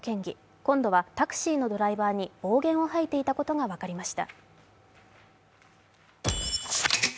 今度はタクシーのドライバーに暴言を吐いていたことが分かりました。